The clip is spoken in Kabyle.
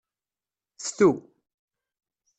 Ftu.